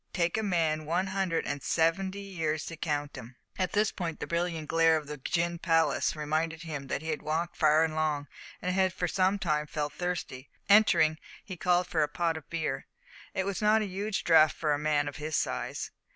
Take a man one hundred and seventy years to count 'em!" At this point the brilliant glare of a gin palace reminded him that he had walked far and long, and had for some time felt thirsty. Entering, he called for a pot of beer. It was not a huge draught for a man of his size.